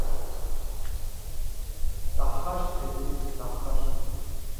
Даҳхашҭхьеит уи, даҳхашҭ.